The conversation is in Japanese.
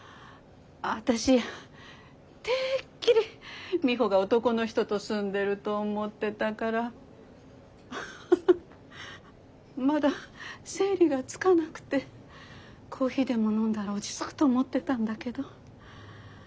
私てっきりミホが男の人と住んでると思ってたからまだ整理がつかなくてコーヒーでも飲んだら落ち着くと思ってたんだけど。